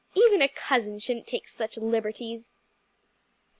"Even a cousin shouldn't take such liberties."